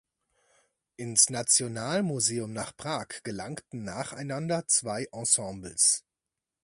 Ins Nationalmuseum nach Prag gelangten nacheinander zwei Ensembles.